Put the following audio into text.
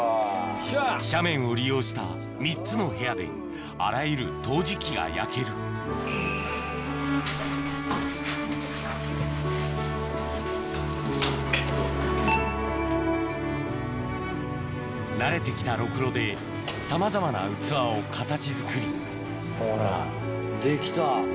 斜面を利用した３つの部屋であらゆる陶磁器が焼ける慣れて来たろくろでさまざまな器を形作りほらできた。